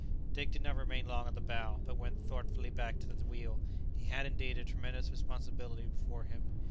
Dick did not remain long at the bow, but went thoughtfully back to the wheel. He had, indeed, a tremendous responsibility before him.